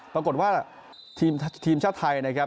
ปรากฏว่าทีมชาติไทยนะครับ